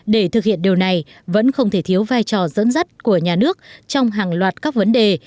để thực hiện điều này vẫn không thể thiếu vai trò dẫn dắt của nhà nước trong hàng loạt các vấn đề